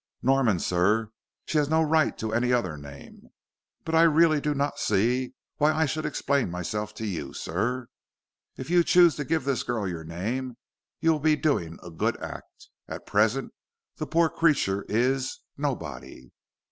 "Norman, sir. She has no right to any other name. But I really do not see why I should explain myself to you, sir. If you choose to give this girl your name you will be doing a good act. At present the poor creature is nobody."